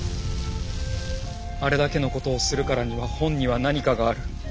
「あれだけのことをするからには本にはなにかがある」。